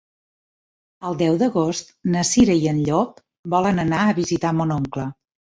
El deu d'agost na Cira i en Llop volen anar a visitar mon oncle.